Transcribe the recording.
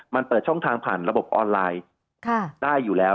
มันเปิดช่องทางผ่านระบบออนไลน์ได้อยู่แล้ว